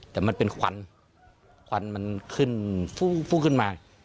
แต่มันเป็นขวัญขวัญมันขึ้นฟุ้นมา